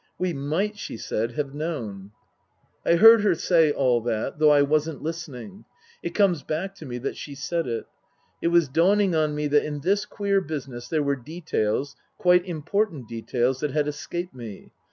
" We might," she said, " have known." I heard her say all that, though I wasn't listening. It comes back to me that she said it. It was dawning on me that in this queer business there were details, quite important details, that had escaped me.